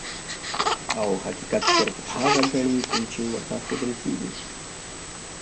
او حقيقت صرف هغه ګڼي کوم چې ورته ښودلے کيږي -